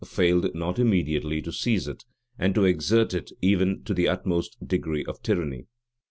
failed not immediately to seize it, and to exert it even to the utmost degree of tyranny.